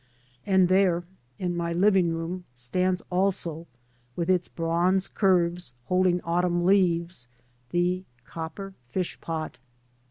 And there, in my living room stands also, with its bronze curves holding autumn leaves — the copper fish pot